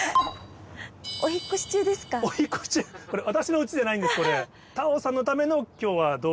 これ私の家じゃないんですこれ。